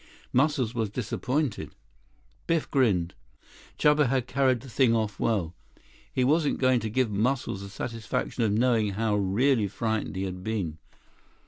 Muscles was disappointed. Biff grinned. Chuba had carried the thing off well. He wasn't going to give Muscles the satisfaction of knowing how really frightened he had been.